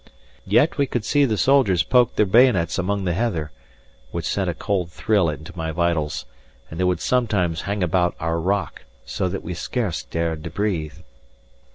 Yet we could see the soldiers pike their bayonets among the heather, which sent a cold thrill into my vitals; and they would sometimes hang about our rock, so that we scarce dared to breathe.